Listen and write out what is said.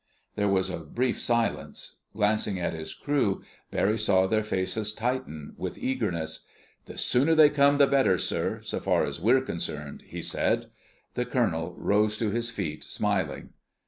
There was a brief silence. Glancing at his crew, Barry saw their faces tighten with eagerness. "The sooner they come the better, sir—so far as we're concerned," he said. The colonel rose to his feet, smiling.